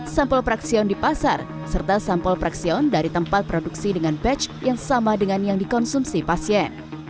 sampel praksion di pasar serta sampel praksion dari tempat produksi dengan batch yang sama dengan yang dikonsumsi pasien